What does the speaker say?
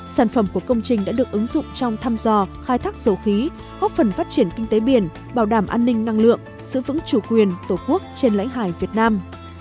sản phẩm của công trình đã được ứng dụng trong thăm dò khai thác dầu khí góp phần phát triển kinh tế biển bảo đảm an ninh năng lượng giữ vững chủ quyền tổ quốc trên lãnh hải việt nam